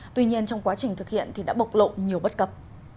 tuy nhiên trong quá trình thực hiện thì đã bộc lộ nhiều bất cập